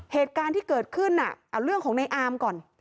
เหตุการณ์ที่เกิดขึ้นเอาเรื่องของในอามก่อน